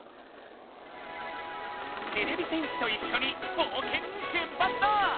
てれび戦士といっしょに冒険に出発だ！